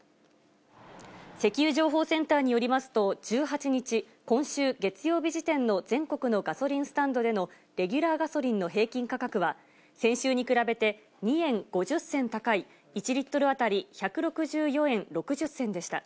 石油情報センターによりますと、１８日、今週月曜日時点の全国のガソリンスタンドでのレギュラーガソリンの平均価格は、先週に比べて２円５０銭高い、１リットル当たり１６４円６０銭でした。